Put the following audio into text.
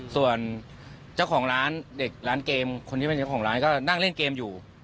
ส่วนเจ้าของร้านเด็กร้านเกมคนที่เป็นเจ้าของร้านก็นั่งเล่นเกมอยู่